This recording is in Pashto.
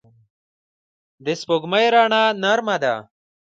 د سپوږمۍ رڼا نرمه ده